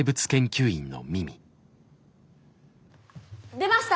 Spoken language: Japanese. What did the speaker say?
出ました！